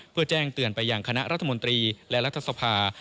เพื่อแจ้งเตือนไปอย่างคณะรัฐมนตรีและรัฐสภา